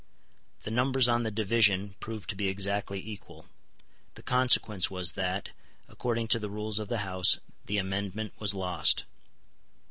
The numbers on the division proved to be exactly equal. The consequence was that, according to the rules of the House, the amendment was lost.